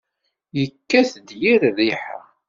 Yekkat-d yir rriḥa.